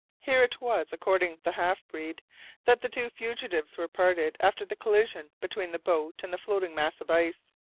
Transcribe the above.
Here it was, according to the half breed, that the two fugitives were parted after the collision between the boat and the floating mass of ice.